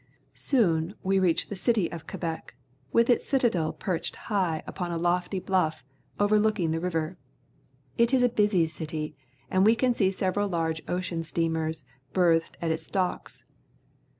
Soon we reach the city of Quebec, with its citadel perched high upon a lofty bluff over looking the ri\'er. It is a busy city, and we can see several large ocean steamers berthed at its docks.